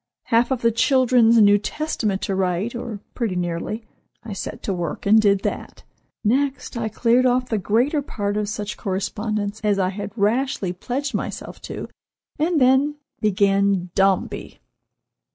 Half of the children's New Testament to write, or pretty nearly. I set to work and did that. Next, I cleared off the greater part of such correspondence as I had rashly pledged myself to, and then—began Dombey!"